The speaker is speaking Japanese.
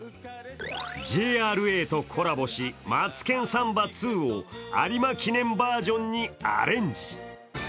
ＪＲＡとコラボし、「マツケンサンバⅡ」を有馬記念バージョンにアレンジ。